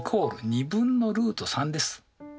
２分のルート３です。